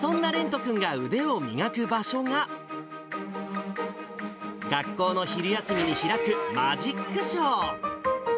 そんな蓮人君が腕を磨く場所が、学校の昼休みに開くマジックショー。